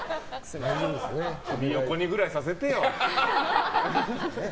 首横にくらいさせてよ。